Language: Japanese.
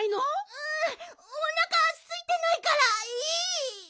ううおなかすいてないからいい！